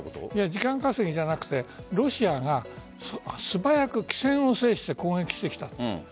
時間稼ぎじゃなくてロシアが素早く攻撃してきた。